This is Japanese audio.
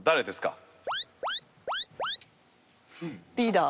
リーダー。